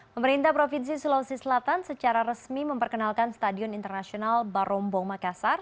pemerintah provinsi sulawesi selatan secara resmi memperkenalkan stadion internasional barombong makassar